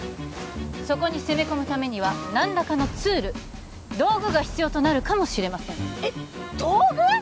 そこに攻め込むためには何らかのツール道具が必要となるかもしれませんえっ道具！？